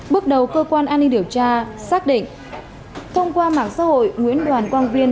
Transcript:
bước đầu cơ quan an ninh điều tra xác định thông qua mạng xã hội nguyễn đoàn quang viên